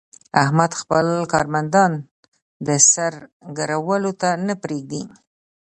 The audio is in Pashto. احمد خپل کارمندان د سر ګرولو ته نه پرېږي.